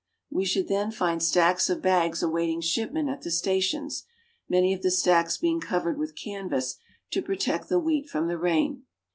We should then find stacks of bags awaiting shipment at the stations, many of the stacks being covered with canvas to protect the wheat from the rain.